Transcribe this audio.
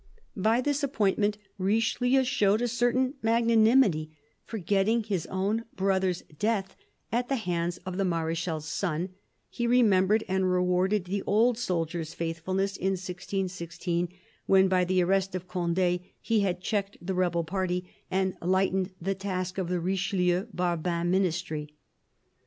By this appointment 174 CARDINAL DE RICHELIEU Richelieu showed a certain magnanimity ; forgetting his own brother's death at the hands of the Marechal's son, he remembered and rewarded the old soldier's faithfulness in 1616, when by the arrest of Conde he had checked the rebel party and lightened the task of the Richelieu Barbin ministry.